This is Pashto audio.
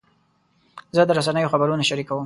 زه د رسنیو خبرونه شریکوم.